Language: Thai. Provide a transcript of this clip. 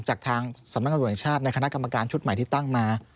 จากทางสำนักการณ์โดยอินทราบและคณะกรรมการชุดใหม่ที่ตั้งมา